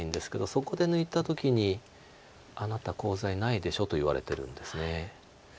そこで抜いた時に「あなたコウ材ないでしょ」と言われてるんです。